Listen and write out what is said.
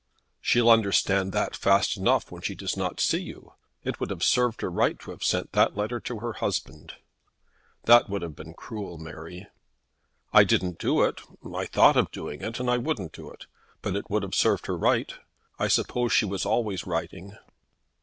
"She'll understand that fast enough when she does not see you. It would have served her right to have sent that letter to her husband." "That would have been cruel, Mary." "I didn't do it. I thought of doing it, and wouldn't do it. But it would have served her right. I suppose she was always writing."